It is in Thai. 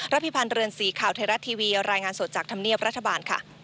พิพันธ์เรือนสีข่าวไทยรัฐทีวีรายงานสดจากธรรมเนียบรัฐบาลค่ะ